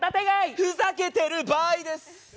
ふざけてる場合です。